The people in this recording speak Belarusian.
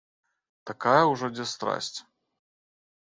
Такая ўжо дзе страсць.